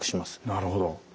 なるほど。